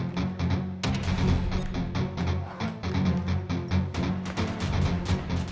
darah recursos lirik